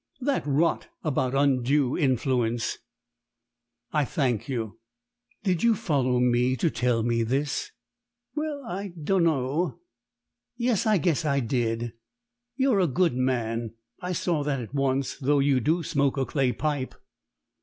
"That rot about undue influence." "I thank you. Did you follow me to tell me this?" "Well, I dunno. Yes, I guess I did. You're a white man; I saw that at once, though you do smoke a clay pipe."